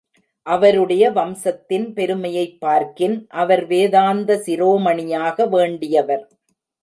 அவருடைய வம்சத்தின் பெருமையைப் பார்க்கின் அவர் வேதாந்த சிரோமணியாக வேண்டியவர்.